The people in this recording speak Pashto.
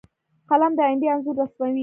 فلم د آینده انځور رسموي